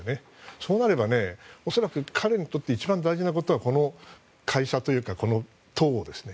そうなれば恐らく彼にとって一番大事なことはこの会社というか党ですね。